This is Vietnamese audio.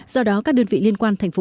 do đó các đơn vị liên quan tp đồng hới